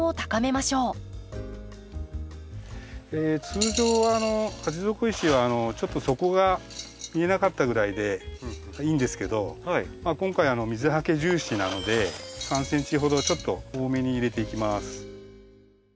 通常鉢底石はちょっと底が見えなかったぐらいでいいんですけど今回水はけ重視なので３ｃｍほどちょっと多めに入れていきます。